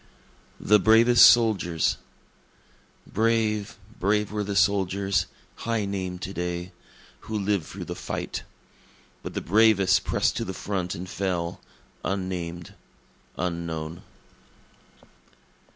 The Bravest Soldiers Brave, brave were the soldiers (high named to day) who lived through the fight; But the bravest press'd to the front and fell, unnamed, unknown.